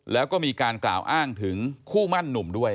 แล้วก็มีการกล่าวอ้างถึงคู่มั่นหนุ่มด้วย